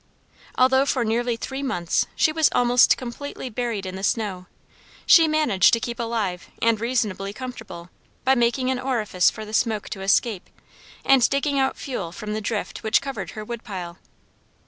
Although for nearly three months she was almost completely buried in the snow, she managed to keep alive and reasonably comfortable by making an orifice for the smoke to escape, and digging out fuel from the drift which covered her wood pile.